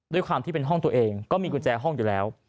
ด้วยความที่เป็นห้องตัวเองก็มีกุญแจห้องอยู่แล้ว